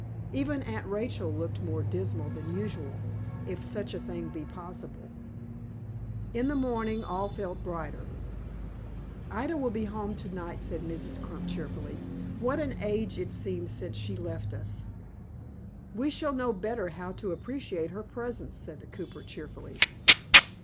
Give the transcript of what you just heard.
Even Aunt Rachel looked more dismal than usual, if such a thing be possible. In the morning all felt brighter. "Ida will be home to night," said Mrs. Crump, cheerfully. "What an age it seems since she left us!" "We shall know better how to appreciate her presence," said the cooper, cheerfully.